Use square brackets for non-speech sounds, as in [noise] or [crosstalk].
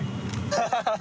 ハハハ [laughs]